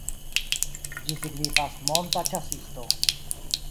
Ĝi signifas "monta ĉasisto".